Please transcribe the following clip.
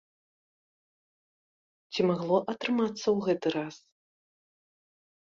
Ці магло атрымацца ў гэты раз?